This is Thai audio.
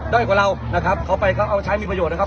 ้อยกว่าเรานะครับเขาไปเขาเอาใช้มีประโยชนนะครับ